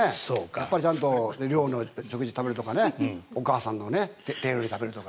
やっぱりちゃんと寮の食事を食べるとかお母さんの手料理を食べるとか。